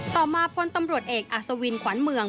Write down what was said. ต่อมาพลตำรวจเอกอัศวินขวัญเมือง